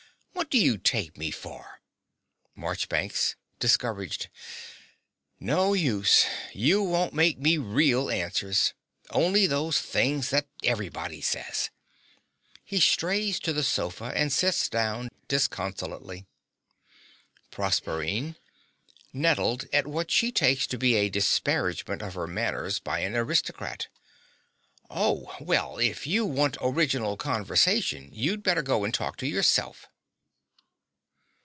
What do you take me for? MARCHBANKS (discouraged). No use. You won't make me REAL answers only those things that everybody says. (He strays to the sofa and sits down disconsolately.) PROSERPINE (nettled at what she takes to be a disparagement of her manners by an aristocrat). Oh, well, if you want original conversation, you'd better go and talk to yourself.